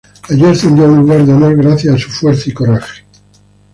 Allí ascendió a un lugar de honor gracias a su fuerza y coraje.